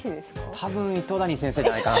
多分糸谷先生じゃないかな。